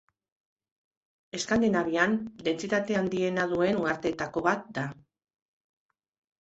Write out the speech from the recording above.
Eskandinavian dentsitate handiena duen uharteetako bat da.